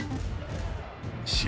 試合